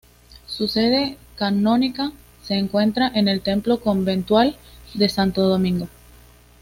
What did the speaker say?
Su sede canónica se encuentra en el Templo conventual de Santo Domingo.